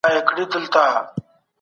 پوهه د حق او رڼا لاره ده.